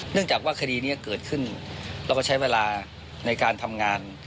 เนื่องจากว่าคดีนี้เกิดขึ้นเราก็ใช้เวลาในการทำงาน